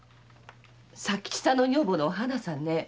佐吉さんの女房のお花さんね